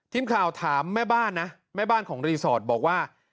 ทีมข่าวถามแม่บ้านนะแม่บ้านของรีสอร์ทบอกว่า